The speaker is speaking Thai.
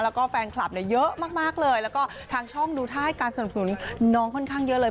แล้วก็แฟนคลับเนี่ยเยอะมากเลยแล้วก็ทางช่องดูท่าให้การสนับสนุนน้องค่อนข้างเยอะเลย